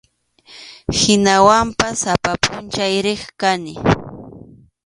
Hinawanpas sapa pʼunchaw riq kani.